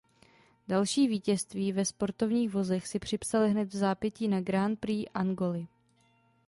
Další vítězství ve sportovních vozech si připsal hned vzápětí na Grand Prix Angoly.